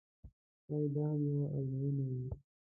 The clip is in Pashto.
ښایي دا هم یوه آزموینه وي.